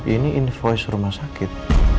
ini invoice rumah sakit